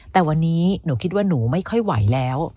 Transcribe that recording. แต่วันนี้หนูคิดว่าหนูไม่ค่อยไหวแล้ว